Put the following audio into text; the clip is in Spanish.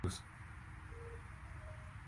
Siguió compitiendo en Lombardía.